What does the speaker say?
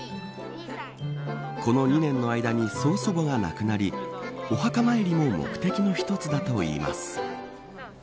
この２年の間に曾祖母が亡くなりお墓参りも目的の一つだといいます。